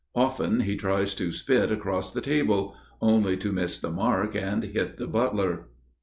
Often he tries to spit across the table,—only to miss the mark and hit the butler.